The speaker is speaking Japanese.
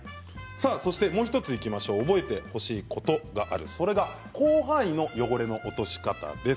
そしてもう１ついきましょう覚えてほしいことがあるそれが広範囲の汚れの落とし方です。